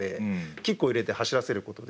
キックを入れて走らせることで。